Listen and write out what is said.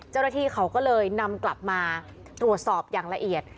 เจ้าหน้าที่เขาก็เลยนำกลับมาตรวจสอบอย่างละเอียด